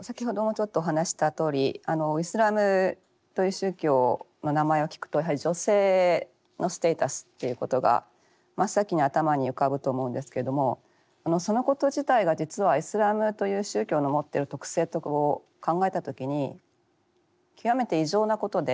先ほどもちょっとお話したとおりイスラムという宗教の名前を聞くとやはり女性のステータスっていうことが真っ先に頭に浮かぶと思うんですけれどもそのこと自体が実はイスラムという宗教の持ってる特性と考えた時に極めて異常なことで。